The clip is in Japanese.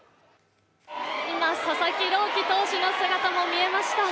今、佐々木朗希投手の姿も見えました。